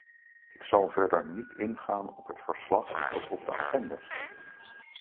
Ik zal verder niet ingaan op het verslag dat op de agenda stond.